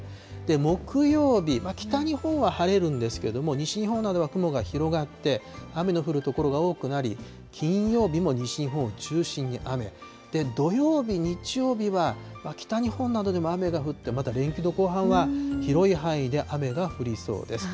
木曜日、北日本は晴れるんですけども、西日本などは雲が広がって、雨の降る所が多くなり、金曜日も西日本を中心に雨、土曜日、日曜日は北日本などでも雨が降って、また連休の後半は広い範囲で雨が降りそうです。